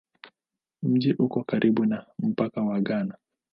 Mji uko karibu na mpaka wa Ghana.